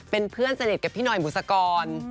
เป็นเพื่อนสนิทกับพี่หน่อยบุษกร